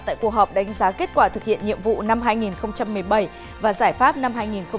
tại cuộc họp đánh giá kết quả thực hiện nhiệm vụ năm hai nghìn một mươi bảy và giải pháp năm hai nghìn một mươi tám